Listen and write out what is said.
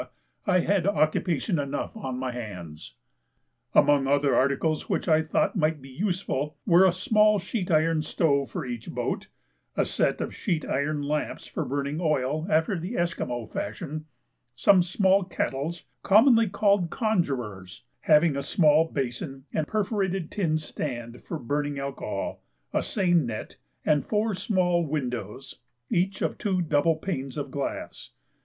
I had occupation enough on my hands. Among other articles which I thought might be useful, were a small sheet iron stove for each boat, a set of sheet iron lamps for burning oil after the Esquimaux fashion, some small kettles (commonly called conjurors) having a small basin and perforated tin stand for burning alcohol, a seine net, and four small windows, each of two double panes of glass.